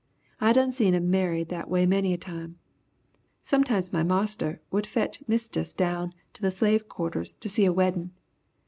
I done seed 'em married that way many a time. Sometimes my marster would fetch Mistess down to the slave quarters to see a weddin'.